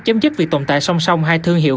chấm dứt việc tồn tại song song hai thương hiệu